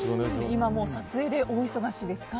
今、撮影で大忙しですか？